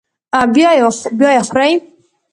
بیا یې خوري.